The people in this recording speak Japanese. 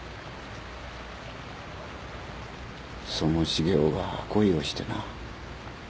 その重雄が恋をしてなあ